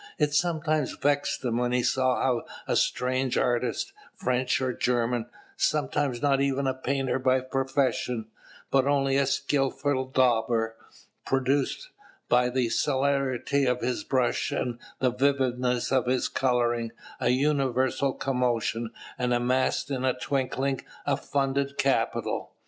It sometimes vexed him when he saw how a strange artist, French or German, sometimes not even a painter by profession, but only a skilful dauber, produced, by the celerity of his brush and the vividness of his colouring, a universal commotion, and amassed in a twinkling a funded capital.